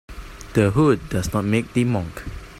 The hood does not make the monk.